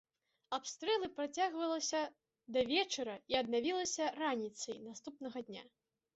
Абстрэлы працягвалася да вечара і аднавілася раніцай наступнага дня.